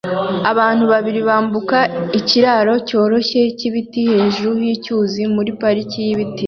Abantu babiri bambuka ikiraro cyoroshye cyibiti hejuru yicyuzi muri parike yibiti